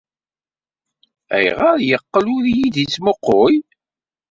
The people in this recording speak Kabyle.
Ayɣer ay yeqqel ur iyi-d-yettmuqqul?